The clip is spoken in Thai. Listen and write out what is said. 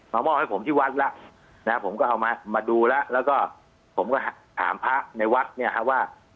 มาบ้อกให้ผมที่วัดละนะครับผมก็เอามามาดูแล้วก็ผมก็ถามพระในวัดเนี้ยฮะว่า